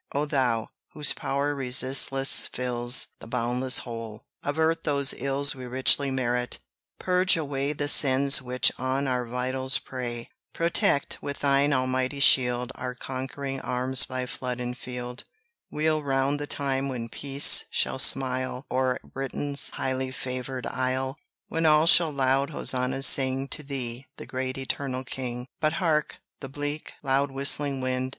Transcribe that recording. O Thou, whose power resistless fills The boundless whole, avert those ills We richly merit: purge away The sins which on our vitals prey; Protect, with Thine almighty shield Our conquering arms by flood and field, Wheel round the time when Peace shall smile O'er Britain's highly favoured Isle; When all shall loud hosannas sing To Thee, the great Eternal King! But hark! the bleak, loud whistling wind!